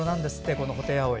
このホテイアオイ。